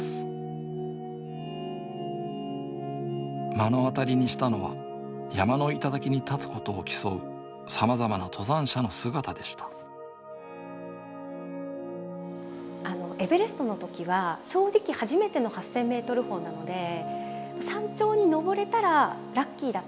目の当たりにしたのは山の頂に立つことを競うさまざまな登山者の姿でしたエベレストの時は正直初めての８０００ｍ峰なので山頂に登れたらラッキーだと。